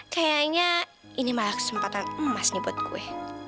kayaknya ini malah kesempatan emas nih buat gue